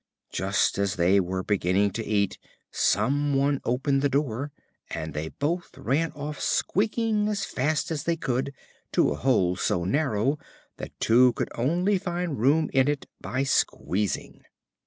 Just as they were beginning to eat, some one opened the door, and they both ran off squeaking, as fast as they could, to a hole so narrow that two could only find room in it by squeezing.